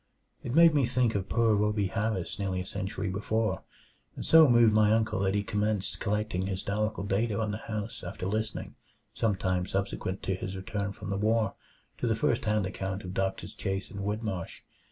It made one think of poor Rhoby Harris nearly a century before, and so moved my uncle that he commenced collecting historical data on the house after listening, some time subsequent to his return from the war, to the first hand account of Doctors Chase and Whitmarsh.